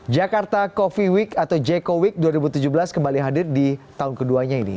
jakarta coffee week atau j co week dua ribu tujuh belas kembali hadir di tahun keduanya ini